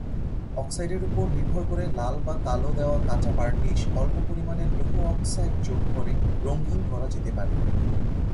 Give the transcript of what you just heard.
অক্সাইডের উপর নির্ভর করে লাল বা কালো দেওয়া কাঁচা বার্ণিশ অল্প পরিমাণে লৌহ অক্সাইড যোগ করে "রঙিন" করা যেতে পারে।